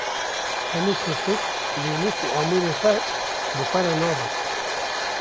Hemû pirtûk, lênûs û amûrên xwe bi xwe re nabim.